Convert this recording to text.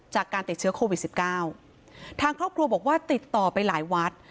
จากการติดเชื้อโควิดสิบเก้าทางครอบครัวบอกว่าติดต่อไปหลายวัด